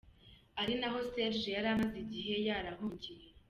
Ari naho Serge yari amaze igihe yarahungiye.